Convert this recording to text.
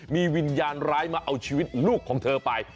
มีวิญญาณร้ายมาเอาชีวิตลูกของเธอไป